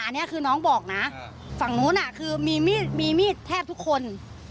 อันนี้คือน้องบอกนะฝั่งนู้นคือมีมีดแทบทุกคน